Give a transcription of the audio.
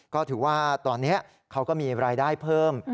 ก็ถือว่าตอนนี้เขาก็มีรายได้เพิ่ม